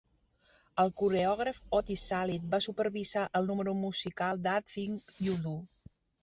El coreògraf Otis Sallid va supervisar el número musical "That Thing You Do".